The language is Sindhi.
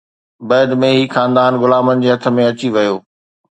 بعد ۾ هي خاندان غلامن جي هٿ ۾ اچي ويو